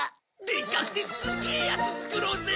でっかくてすっげえやつ作ろうぜ！